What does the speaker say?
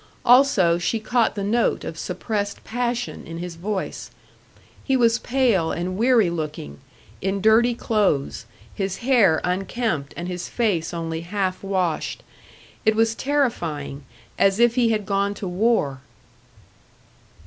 Also, she caught the note of suppressed passion in his voice. He was pale and weary looking, in dirty clothes, his hair unkempt and his face only half washed. It was terrifying as if he had gone to war.